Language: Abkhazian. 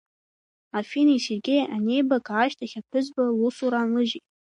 Афинеи Сергеии анеибага ашьҭахь, аԥҳәызба лусура аанлыжьит.